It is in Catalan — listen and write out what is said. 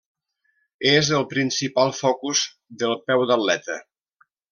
És el principal focus del peu d'atleta.